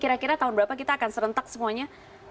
kira kira tahun berapa kita akan serentak semuanya